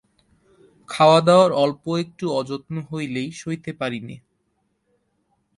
খাওয়াদাওয়ার অল্প একটু অযত্ন হলেই সইতে পারি নে।